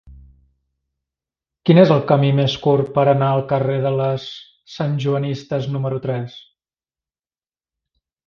Quin és el camí més curt per anar al carrer de les Santjoanistes número tres?